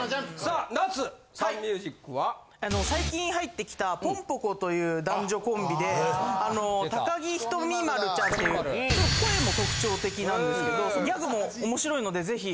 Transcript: あの最近入ってきたぽんぽこという男女コンビであの高木ひとみ○ちゃんっていうちょっと声も特徴的なんですけどギャグもおもしろいのでぜひ。